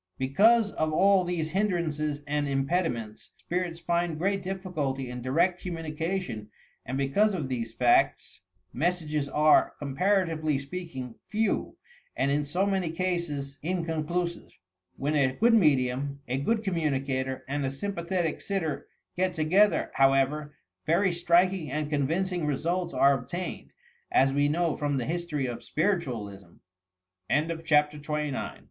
Because of all these hindrances and impediments, spirits find great difficulty in direct commiinication and because of these facts, messages are, comparatively speak ing, few, and in so many cases inconclusive. When a good medium, a good communicator and a sympathetic sitter get together, however, very striking and convincing results are obtained, as we know from the history of Spiritualism I CHAPTER XXX HYPNOTISM A